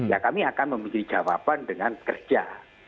ya kami akan memiliki jawaban dengan kerja